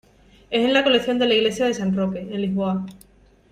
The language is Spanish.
Es en la colección de la Iglesia de San Roque, en Lisboa.